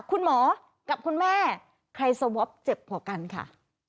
คุณหมอกับคุณแม่ใครสวอปเจ็บพอกันค่ะ